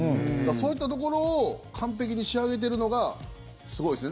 そういったところを完璧に仕上げているのがすごいですね。